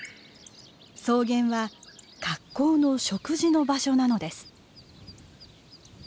草原は格好の食事の場所なのです。